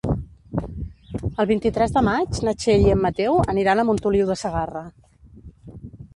El vint-i-tres de maig na Txell i en Mateu aniran a Montoliu de Segarra.